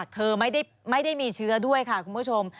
เธอไม่ได้มีเชื้อด้วยค่ะคุณผู้ชม